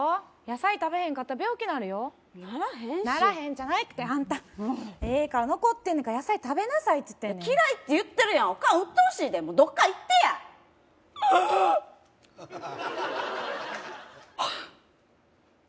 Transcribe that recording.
野菜食べへんかったら病気なるよならへんしならへんじゃないってあんたええから残ってんねんから野菜食べなさいっつってんねん嫌いって言ってるやんおかんうっとうしいでどっか行ってやあーっはあっ！